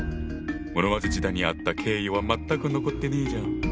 室町時代にあった敬意は全く残ってねえじゃん！